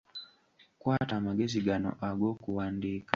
Kwata amagezi gano ag'okuwandiika.